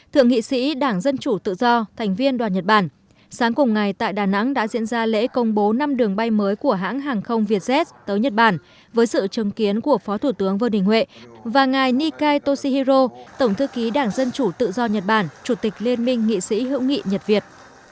thượng nghị sĩ đảng dân chủ tự do thành viên đoàn nhật bản sáng cùng ngày tại đà nẵng đã diễn ra lễ công bố năm đường bay mới của hãng hàng không vietjet tới nhật bản với sự chứng kiến của phó thủ tướng vương đình huệ và ngài nikai toshihiro tổng thư ký đảng dân chủ tự do nhật bản chủ tịch liên minh nghị sĩ hữu nghị nhật việt